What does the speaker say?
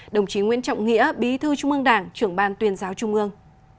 đồng chí nguyễn trọng nghĩa bí thư trung ương đảng trưởng ban tuyên giáo trung ương